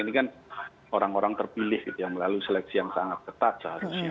ini kan orang orang terpilih gitu ya melalui seleksi yang sangat ketat seharusnya